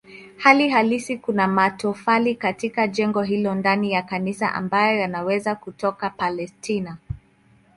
Hali halisi kuna matofali katika jengo hilo ndani ya kanisa ambayo yanaweza kutoka Palestina.